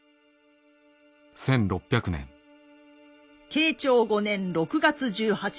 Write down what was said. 慶長５年６月１８日